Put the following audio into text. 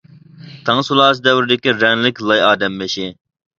تاڭ سۇلالىسى دەۋرىدىكى رەڭلىك لاي ئادەم بېشى.